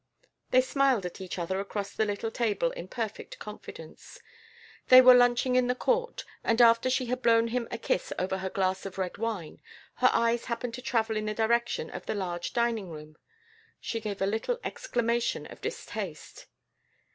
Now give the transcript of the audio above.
They smiled at each other across the little table in perfect confidence. They were lunching in the court, and after she had blown him a kiss over her glass of red wine, her eyes happened to travel in the direction of the large dining room. She gave a little exclamation of distaste.